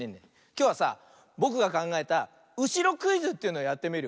きょうはさぼくがかんがえた「うしろクイズ」というのやってみるよ。